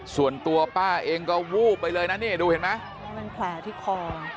ส่วนตัวป้าเองก็วู้ไปเลยนะนี่ดูเห็นไหม